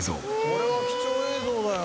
「これは貴重映像だよ」